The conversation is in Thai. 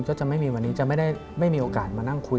ก็จะไม่มีโอกาสมานั่งคุย